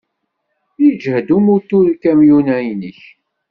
Yeǧhed umutur ukamyun-a-inek.